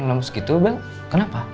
lemes gitu bang kenapa